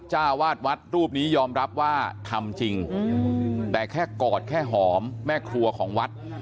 จ้าวาดวัดรูปนี้ยอมรับว่าทำจริงแต่แค่กอดแค่หอมแม่ครัวของวัด